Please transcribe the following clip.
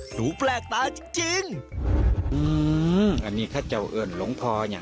ดูแปลกตาจริง